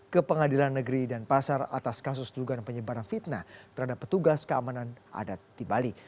ke pengadilan negeri dan pasar atas kasus dugaan penyebaran fitnah terhadap petugas keamanan adat di bali